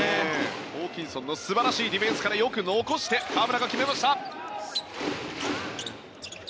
ホーキンソンの素晴らしいディフェンスからよく残して河村が決めました。